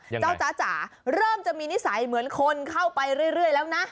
เจ้าจ๊ะจ๋าเริ่มจะมีนิสัยเหมือนคนเข้าไปเรื่อยแล้วนะ